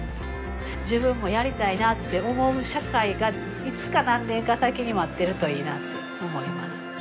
自分もやりたいなって思う社会がいつか何年か先に待ってるといいなって思います